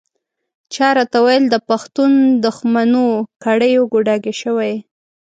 چا راته ویل د پښتون دښمنو کړیو ګوډاګی شوی یې.